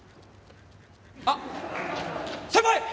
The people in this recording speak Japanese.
あっ先輩！